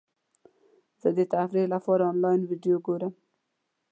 زه د تفریح لپاره انلاین ویډیو ګورم.